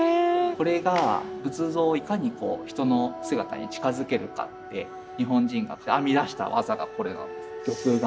これが仏像をいかに人の姿に近づけるかって日本人が編み出した技がこれなんです。